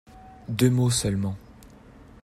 Deux mots seulement.